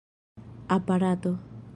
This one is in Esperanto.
aparato